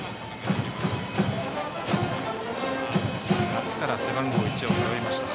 夏から背番号１を背負いました。